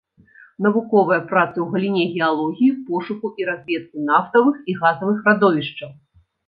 Навуковыя працы ў галіне геалогіі, пошуку і разведкі нафтавых і газавых радовішчаў.